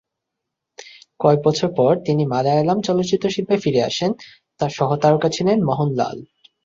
কয়েক বছর পর, তিনি মালায়ালাম চলচ্চিত্রে শিল্পে ফিরে আসেন, তার সহ-তারকা ছিলেন মহনলাল।